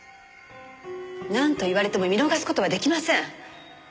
なんと言われても見逃す事は出来ません。